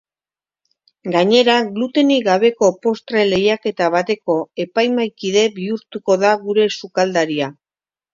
Gainera, glutenik gabeko postre lehiaketa bateko epaimahaikide bihurtuko da gure sukaldaria.